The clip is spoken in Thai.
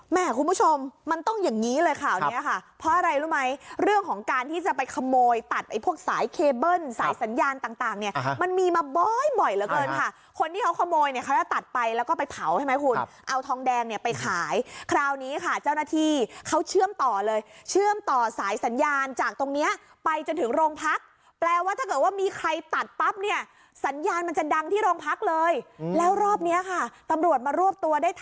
แม่คุณผู้ชมมันต้องอย่างงี้เลยค่ะวันนี้ค่ะเพราะอะไรรู้ไหมเรื่องของการที่จะไปขโมยตัดไอ้พวกสายเคเบิ้ลสายสัญญาณต่างเนี่ยมันมีมาบ่อยบ่อยเหลือเกินค่ะคนที่เขาขโมยเนี่ยเขาจะตัดไปแล้วก็ไปเผาใช่ไหมคุณเอาทองแดงเนี่ยไปขายคราวนี้ค่ะเจ้าหน้าที่เขาเชื่อมต่อเลยเชื่อมต่อสายสัญญาณจากตรงเนี้ยไปจนถึงโรงพ